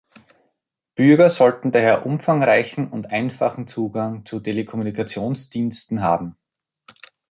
Bürger sollten daher umfangreichen und einfachen Zugang zu Telekommunikationsdiensten haben.